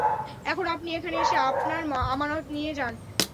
এখন আপনি এখানে এসে আপনার আমানত নিয়ে যান।